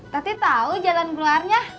tati tau jalan keluarnya